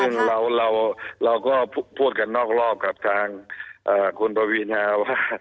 ซึ่งเราก็พูดกันนอกรอบกับทางคุณปวีนาว่า